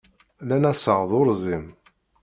Lan assaɣ d urẓim.